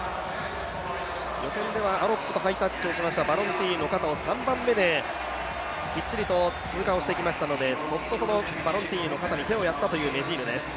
予選ではアロップとハイタッチしました、バロンティーニと３番目できっちりと通過してきましたので、そっとそのバロンティーニの肩に手をやったというメジーヌです。